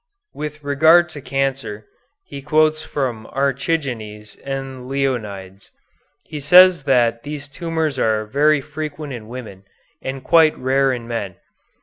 With regard to cancer, he quotes from Archigenes and Leonides. He says that these tumors are very frequent in women, and quite rare in men.